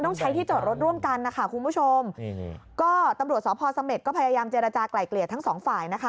เน่่ะไปจริงเพราะเพราะว่าเขาจอดความน้องหนูไม่สามารถออกนะคะ